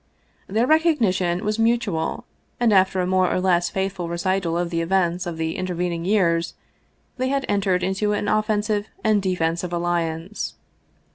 Their recognition was mutual, and, after a more or less faithful recital of the events of the intervening years, they had entered into an offensive and defensive alliance.